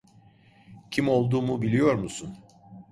Kim olduğumu biliyor musun?